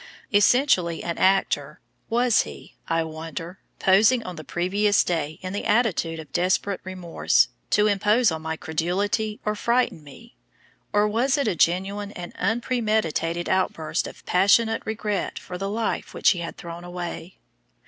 Essentially an actor, was he, I wonder, posing on the previous day in the attitude of desperate remorse, to impose on my credulity or frighten me; or was it a genuine and unpremeditated outburst of passionate regret for the life which he had thrown away?